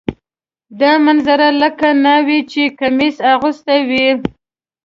دا منظره لکه ناوې چې کمیس اغوستی وي.